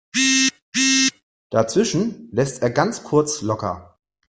Dazwischen lässt er ganz kurz locker.